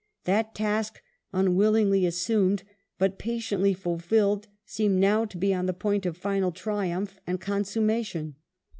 That task, unwillingly assumed but patiently fulfilled, seemed now to be on the point of final triumph and con summation.